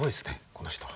この人は。